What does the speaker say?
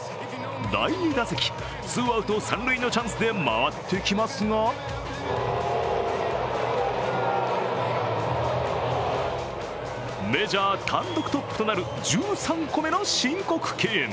第２打席、ツーアウト、三塁のチャンスで回ってきますがメジャー単独トップとなる１３個目の申告敬遠。